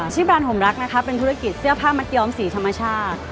ที่บ้านห่มรักนะคะเป็นธุรกิจเสื้อผ้ามัดยอมสีธรรมชาติ